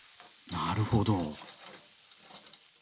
なるほど。